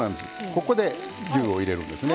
ここで牛を入れるんですね。